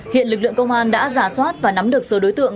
hiện lực lượng công an đã giả soát và nắm được số đối tượng